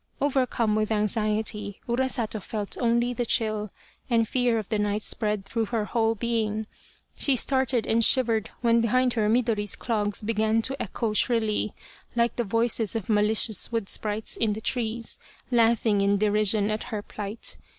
Overcome with anxiety, Urasato felt only the chill, and fear of the night spread through her whole being. She started and shivered when behind her Midori's clogs began to echo shrilly, like the voices of malicious wood sprites in the trees laughing in derision at her plight.